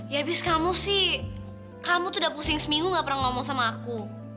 ya abis kamu sih kamu tuh udah pusing seminggu gak pernah ngomong sama aku